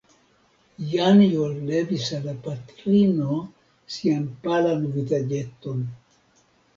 Janjo levis al la patrino sian palan vizaĝeton.